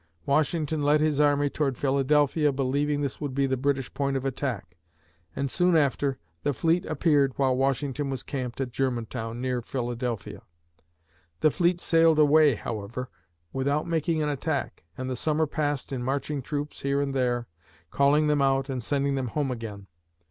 Washington led his army toward Philadelphia, believing this would be the British point of attack, and soon after, the fleet appeared while Washington was camped at Germantown, near Philadelphia. The fleet sailed away, however, without making an attack and the summer passed in marching troops here and there calling them out and sending them home again.